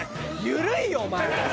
緩いよお前！